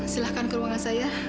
silahkan ke ruangan saya